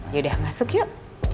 ya udah masuk yuk